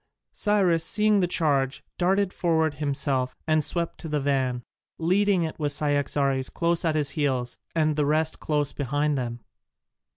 Cyrus seeing the charge, darted forward himself, and swept to the van, leading it with Cyaxares close at his heels and the rest close behind them.